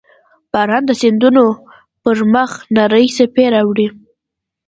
• باران د سیندونو پر مخ نرۍ څپې راوړي.